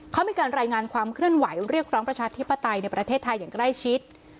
เขามีการรายงานความเคลื่อนไหวเรียกร้องประชาธิปไตยในประเทศไทยอย่างใกล้ชิด